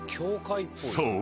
［そう。